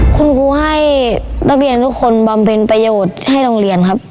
คุณครูให้นักเรียนทุกคนบำเพ็ญประโยชน์ให้โรงเรียนครับ